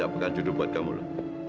kita persiapkan judul buat kamu lah